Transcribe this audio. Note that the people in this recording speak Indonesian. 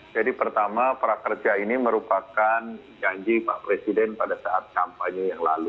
jadi pertama prakerja ini merupakan janji pak presiden pada saat campanya yang lalu